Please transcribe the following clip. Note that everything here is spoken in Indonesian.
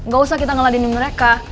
gak usah kita ngeladini mereka